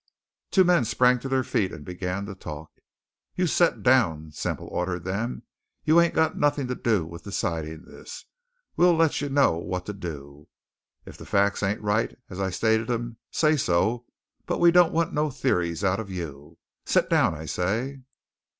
Two men sprang to their feet and began to talk. "You set down!" Semple ordered them. "You ain't got nothing to do with decidin' this. We'll let you know what to do. If the facts ain't right, as I stated 'em, say so; but we don't want no theories out of you. Set down! I say."